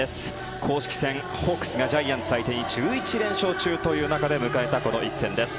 公式戦、ホークスがジャイアンツ相手に１１連勝中という中で迎えたこの一戦です。